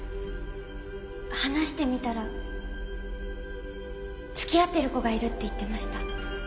話してみたら付き合ってる子がいるって言ってました。